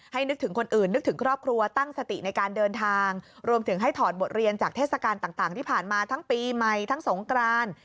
นึกถึงคนอื่นนึกถึงครอบครัวตั้งสติในการเดินทางรวมถึงให้ถอดบทเรียนจากเทศกาลต่างที่ผ่านมาทั้งปีใหม่ทั้งสงกราน